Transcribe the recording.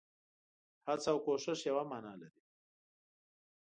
هڅه او کوښښ يوه مانا لري.